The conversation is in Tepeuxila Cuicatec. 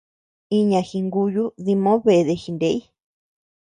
Iña jinguyu dimoʼö beede jiney.